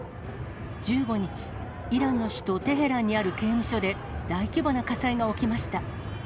１５日、イランの首都テヘランにある刑務所で、大規模な火災が起きました。